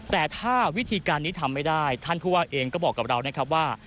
แต่ถ้าวิธีการนี้ทำไม่ได้ท่านผู้ว่าเองก็บอกกับเรานะครับว่า